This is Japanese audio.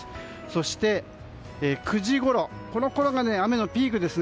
そして、９時ごろこのころが雨のピークです。